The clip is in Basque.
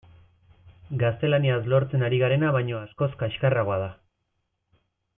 Gaztelaniaz lortzen ari garena baino askoz kaxkarragoa da.